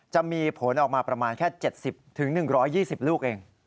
จะมีผลออกมาประมาณแค่๗๐๑๒๐ลูกเอง